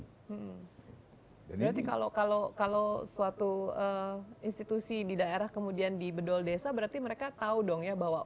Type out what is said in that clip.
berarti kalau suatu institusi di daerah kemudian di bedol desa berarti mereka tahu dong ya bahwa